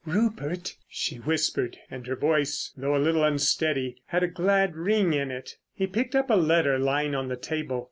"Rupert," she whispered, and her voice, though a little unsteady, had a glad ring in it. He picked up a letter lying on the table.